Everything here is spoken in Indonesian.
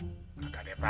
nggak ada apa apa